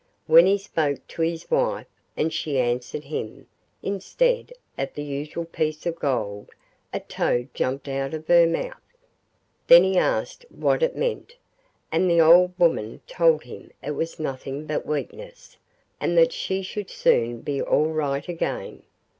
When he spoke to his wife and she answered him, instead of the usual piece of gold a toad jumped out of her mouth. Then he asked what it meant, and the old woman told him it was nothing but weakness, and that she would soon be all right again.